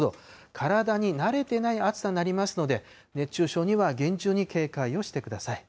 体に慣れてない暑さになりますので、熱中症には厳重に警戒をしてください。